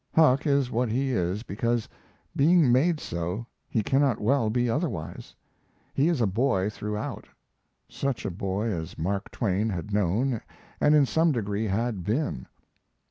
Huck is what he is because, being made so, he cannot well be otherwise. He is a boy throughout such a boy as Mark Twain had known and in some degree had been.